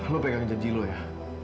lo pegang janji lo ya